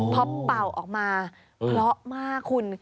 พอเป่าออกมาเพราะมากคุณ